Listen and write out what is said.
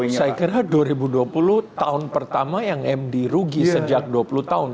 saya kira dua ribu dua puluh tahun pertama yang md rugi sejak dua puluh tahun